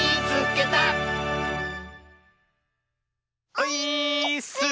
オイーッス！